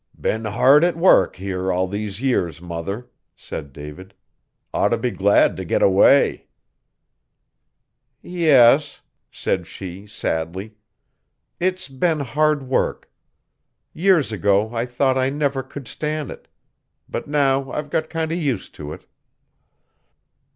'Been hard at work here all these years, mother,' said David. 'Oughter be glad t' git away.' 'Yes,' said she sadly, 'it's been hard work. Years ago I thought I never could stan' it. But now I've got kind o' used t' it.'